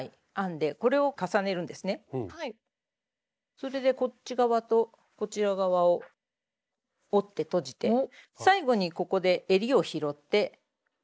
それでこっち側とこちら側を折ってとじて最後にここでえりを拾って終わりです。